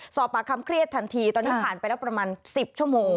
สอบปากคำเครียดทันทีตอนนี้ผ่านไปแล้วประมาณ๑๐ชั่วโมง